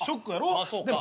ああそうか。